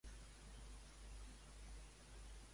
El personal docent de Sant.